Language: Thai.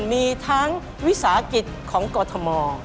มีทั้งวิสาหกิจของกรทม